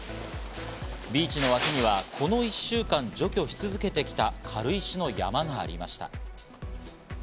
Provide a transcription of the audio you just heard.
ビーチの脇にはこの１週間、除去し続けてきた軽石の山がありました。